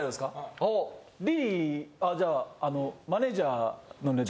あじゃあマネージャーのネタ。